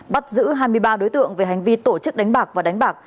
bắt giữ hai mươi ba đối tượng về hành vi tổ chức đánh bạc và đánh bạc